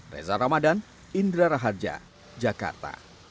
reza ramadan indra raharja jakarta